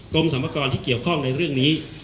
กรมสรรพากรที่เกี่ยวข้องในเรื่องนี้